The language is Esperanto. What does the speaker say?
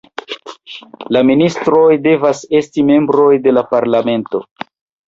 La ministroj devas esti membroj de la parlamento.